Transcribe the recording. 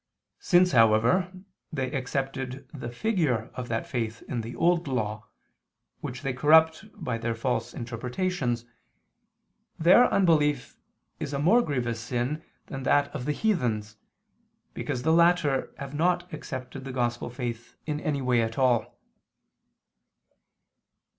Since, however, they accepted the figure of that faith in the Old Law, which they corrupt by their false interpretations, their unbelief is a more grievous sin than that of the heathens, because the latter have not accepted the Gospel faith in any way at all.